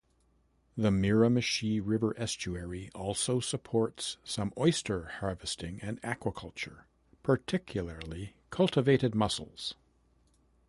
The Miramichi River estuary also supports some oyster harvesting and aquaculture, particularly cultivated mussels.